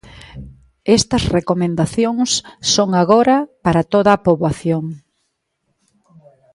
Estas recomendacións son agora para toda a poboación.